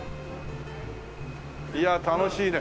いや楽しいね。